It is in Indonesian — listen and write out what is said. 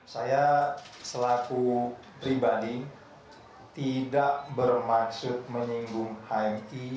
saya selaku pribadi tidak bermaksud menyinggung hmi